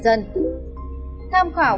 tham khảo qua bình luận